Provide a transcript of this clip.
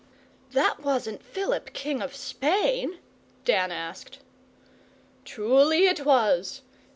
'That wasn't Philip, King of Spain?' Dan asked. 'Truly, it was.